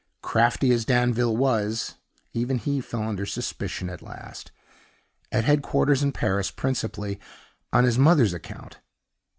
Crafty as Danville was, even he fell under suspicion at last, at headquarters in Paris, principally on his mother's account.